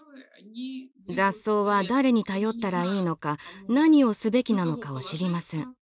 雑草は誰に頼ったらいいのか何をすべきなのかを知りません。